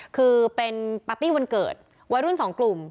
คือเป็นปาร์ตี้วันเกิดวัยรุ่นสองกลุ่ม